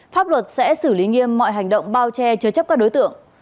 pháp luật sẽ xử lý nghiêm mọi hành động bao che chứa chấp các đối tượng